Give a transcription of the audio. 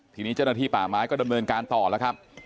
ทีนี้เจ้าหน้าที่ป่าไม้ก็ดำเนินการต่อแล้วครับ